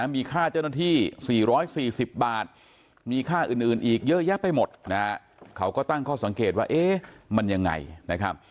มีค่าเจ้าหน้าที่๔๔๐บาทมีค่าอื่นอีกเยอะแยะไปหมดนะฮะเขาก็ตั้งข้อสังเกตว่าเอ๊ะมันยังไงนะครับ